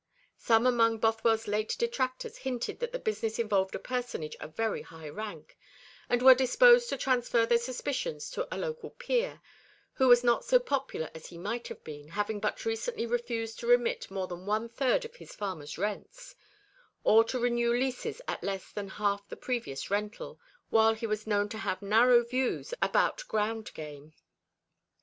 Some among Bothwell's late detractors hinted that the business involved a personage of very high rank, and were disposed to transfer their suspicions to a local peer, who was not so popular as he might have been, having but recently refused to remit more than one third of his farmers' rents, or to renew leases at less than half the previous rental, while he was known to have narrow views about ground game.